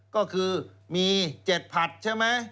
ก็คือมี๗ผัดใช่ไหม